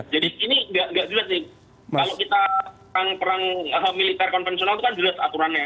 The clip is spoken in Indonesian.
jadi ini nggak jelas nih kalau kita perang militer konvensional itu kan jelas aturannya